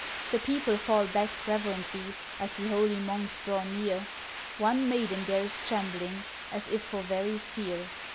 The people fall back reverently, As th' holy Monks draw near, One maiden there is trembling, As if for very fear.